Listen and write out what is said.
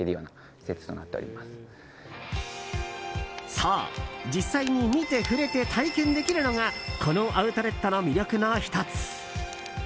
そう、実際に見て触れて体験できるのがこのアウトレットの魅力の１つ。